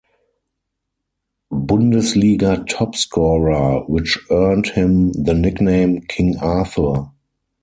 Bundesliga top scorer, which earned him the nickname King Arthur.